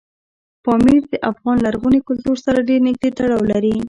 پامیر د افغان لرغوني کلتور سره ډېر نږدې تړاو لري.